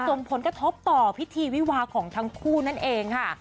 ส่งผลกระทบต่อพิธีวิวาของทั้งคู่นั่นเองค่ะ